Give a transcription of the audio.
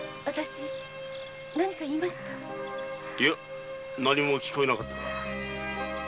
いや何も聞こえなかったが。